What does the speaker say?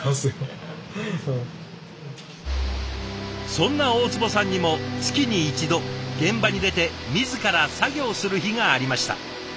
そんな大坪さんにも月に１度現場に出て自ら作業する日がありました。